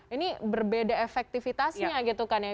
ini berbeda efektivitasnya gitu kan ya